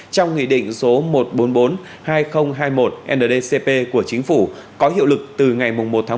trong nghị định số một trăm bốn mươi bốn hai nghìn hai mươi một ndcp của chính phủ có hiệu lực từ ngày một một hai nghìn hai mươi hai